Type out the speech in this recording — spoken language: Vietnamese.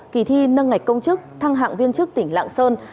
kỳ thi nâng ngạch công chức thăng hạng viên chức tỉnh lạng sơn